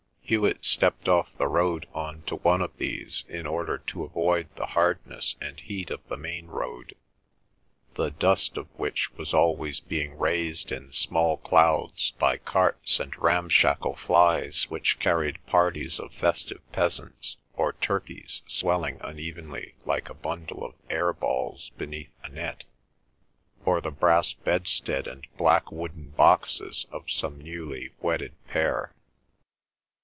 Hewet stepped off the road on to one of these, in order to avoid the hardness and heat of the main road, the dust of which was always being raised in small clouds by carts and ramshackle flies which carried parties of festive peasants, or turkeys swelling unevenly like a bundle of air balls beneath a net, or the brass bedstead and black wooden boxes of some newly wedded pair.